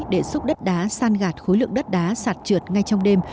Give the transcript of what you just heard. để xúc đất đá san gạt khối lượng đất đá sạt trượt ngay trong đêm